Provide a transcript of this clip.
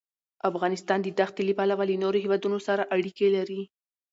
افغانستان د دښتې له پلوه له نورو هېوادونو سره اړیکې لري.